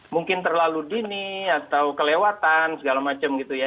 mungkin terlalu dini atau kelewatan segala macam gitu ya